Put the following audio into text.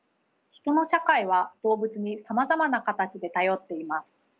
人の社会は動物にさまざまな形で頼っています。